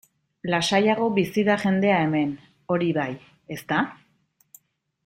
Lasaiago bizi da jendea hemen, hori bai, ezta?